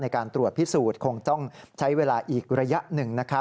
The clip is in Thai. การตรวจพิสูจน์คงต้องใช้เวลาอีกระยะหนึ่ง